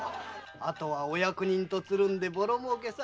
あとはお役人とつるんでボロ儲けさ。